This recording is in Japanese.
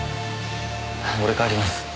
俺帰ります。